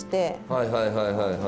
はいはいはいはいはい。